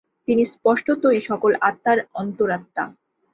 তিনি স্পষ্টতই সকল আত্মার অন্তরাত্মা।